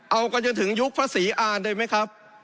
เอากันจนถึงยุคพระศรีอ่านได้ไหมครับ